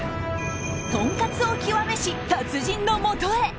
とんかつを極めし達人のもとへ。